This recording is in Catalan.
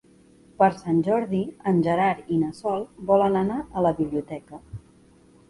Per Sant Jordi en Gerard i na Sol volen anar a la biblioteca.